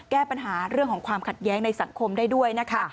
แก้ปัญหาเรื่องของความขัดแย้งในสังคมได้ด้วยนะคะ